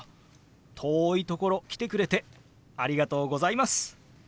遠いところ来てくれてありがとうございます。